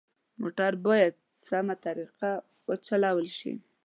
موټر باید سمه طریقه وچلول شي.